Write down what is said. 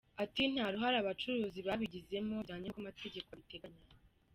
Ati “Nta ruhare abacuruzi babigizemo bijyanye n’uko amategeko abiteganya.